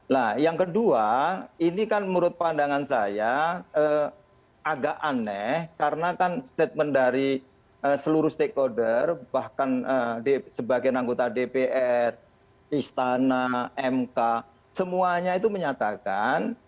nah yang kedua ini kan menurut pandangan saya agak aneh karena kan statement dari seluruh stakeholder bahkan sebagai anggota dpr istana mk semuanya itu menyatakan